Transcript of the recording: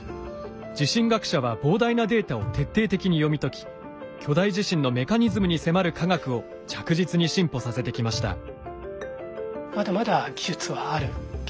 地震学者は膨大なデータを徹底的に読み解き巨大地震のメカニズムに迫る科学を着実に進歩させてきました。